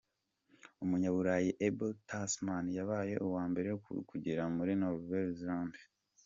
Umunyaburayi Abel Tasman yabaye uwa mbere ku kugera muri Nouvelle Zalande.